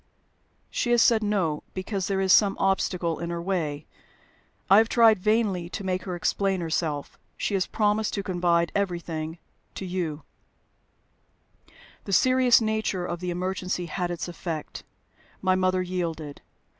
"She has said No, because there is some obstacle in her way. I have tried vainly to make her explain herself. She has promised to confide everything to you." The serious nature of the emergency had its effect. My mother yielded.